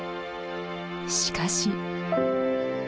しかし。